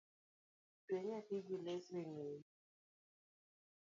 Twe nyathi gi leso eng'eyi.